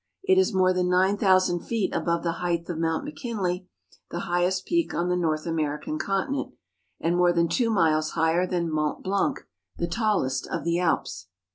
It is more than nine thousand feet above the height of Mount McKinley, the highest peak on the North American continent, and more than two miles higher than Mount Blanc, the tallest of the Alps.